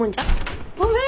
ごめん。